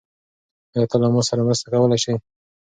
آیا ته له ما سره مرسته کولی شې؟